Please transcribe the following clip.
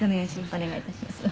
お願い致します。